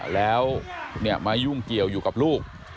แล้วมายุ่งเกี่ยวอยู่กับลูก